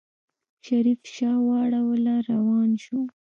شريف شا واړوله روان شو.